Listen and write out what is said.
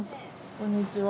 こんにちは。